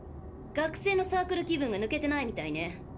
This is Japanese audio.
学生のサークル気分がぬけてないみたいね。